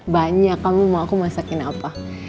banyak kamu mau aku masakin apa